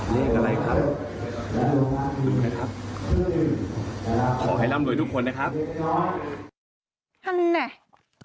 เลขอะไรครับขอให้ร่ำโดยทุกคนนะครับ